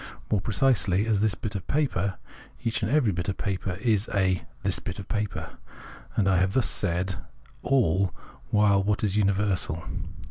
More precisely, as this bit of paper, each and every paper is a " this bit of paper," and I have thus said all the while what is universal.